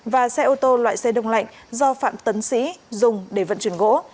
và xe ô tô loại xe đông lạnh do phạm tấn sĩ dùng để vận chuyển gỗ